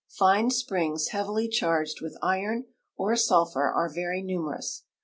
Fine springs heavily charged Avith iron or sulphur are A^ei'}^ numerous.